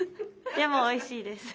でもおいしいです。